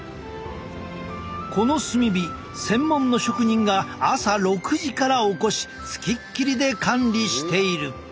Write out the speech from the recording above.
この炭火専門の職人が朝６時からおこし付きっきりで管理している。